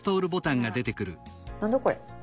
何だこれ？